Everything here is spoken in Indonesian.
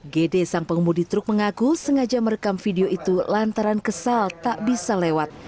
gede sang pengemudi truk mengaku sengaja merekam video itu lantaran kesal tak bisa lewat